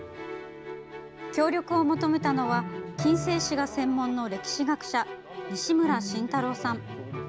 協力を求めたのは近世史が専門の歴史学者、西村慎太郎さん。